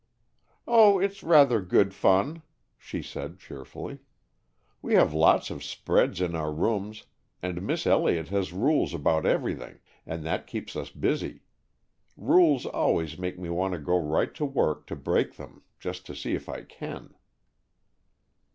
"Oh, it's rather good fun," she said, cheerfully. "We have lots of spreads in our rooms and Miss Elliott has rules about everything, and that keeps us busy. Rules always make me want to go right to work to break them, just to see if I can."